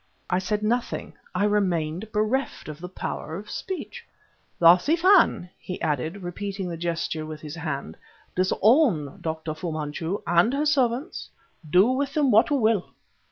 I said nothing; I remained bereft of the power of speech. "The Si Fan," he added, repeating the gesture with his hand, "disown Dr. Fu Manchu and his servants; do with them what you will.